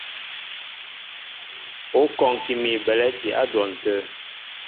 Ú kɔŋki mi belɛ̂ti á dwɔn tə̂.